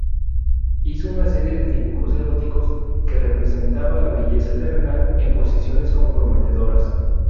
Hizo una serie de dibujos eróticos, que representaba la belleza terrenal en posiciones comprometedoras.